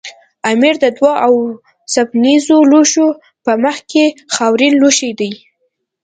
امیر د دوو اوسپنیزو لوښو په منځ کې خاورین لوښی دی.